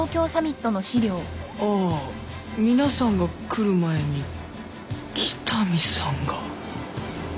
ああ皆さんが来る前に北見さんが。